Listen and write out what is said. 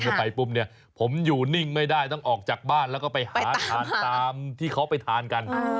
ทำไมผมอยู่นิ่งไม่ได้ต้องออกจากบ้านแล้วไปหางานตามที่เขาไปทานกัน